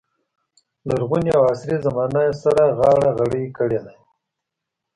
لرغونې او عصري زمانه یې سره غاړه غړۍ کړې دي.